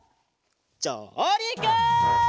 じょうりく！